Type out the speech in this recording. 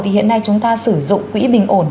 thì hiện nay chúng ta sử dụng quỹ bình ổn